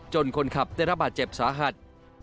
คนขับได้รับบาดเจ็บสาหัส